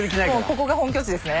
ここが本拠地ですね。